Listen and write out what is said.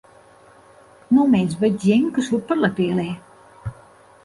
Només veig gent que surt per la tele!